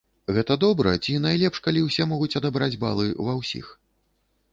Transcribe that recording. Гэта добра, ці найлепш калі ўсе могуць адабраць балы ва ўсіх?